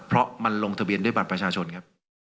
เพราะมันลงทะเบียนด้วยบัตรประชาชนครับ